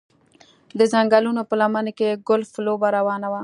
د ځنګلونو په لمنه کې ګلف لوبه روانه وه